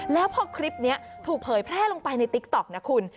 แล้วพอคลิปนี้ถูกเผยแพร่ลงไปในติ๊กต๊อกนะคุณ